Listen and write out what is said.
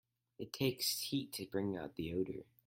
It takes heat to bring out the odor.